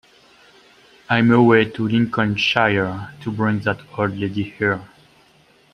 I'm away to Lincolnshire to bring that old lady here.